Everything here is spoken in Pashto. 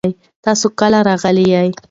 تاسو کله راغلي یئ؟